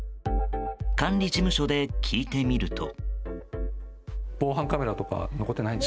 管理事務所で聞いてみると。